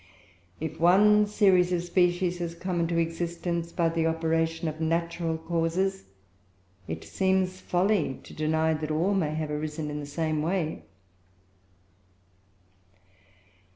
If one series of species has come into existence by the operation of natural causes, it seems folly to deny that all may have arisen in the same way.